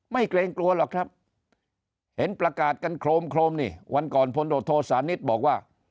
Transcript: ไม่เกรงกลัวหรอกครับเห็นประกาศกันโครมนี่วันก่อนพลโทษศาลนิษฐ์บอกว่า